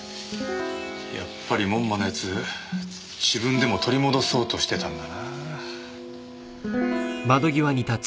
やっぱり門馬のやつ自分でも取り戻そうとしてたんだな。